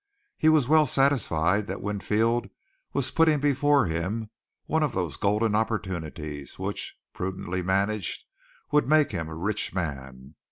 He was well satisfied that Winfield was putting before him one of those golden opportunities which, prudently managed, would make him a rich man.